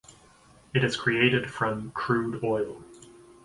It is created from crude oil.